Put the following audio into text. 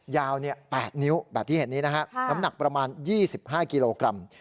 ยาว๘นิ้วแบบที่เห็นนี้นะฮะน้ำหนักประมาณ๒๕กิโลกรัม